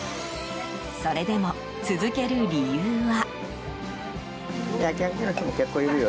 それでも、続ける理由は。